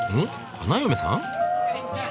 花嫁さん？